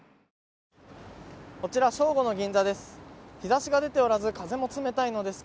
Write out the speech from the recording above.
こちら正午の銀座です。